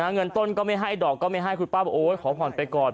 เงินต้นก็ไม่ให้ดอกก็ไม่ให้คุณป้าบอกโอ๊ยขอผ่อนไปก่อน